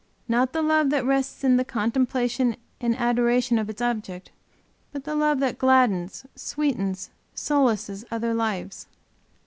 Not the love that rests in the contemplation and adoration of its object; but the love that gladdens, sweetens, solaces other lives.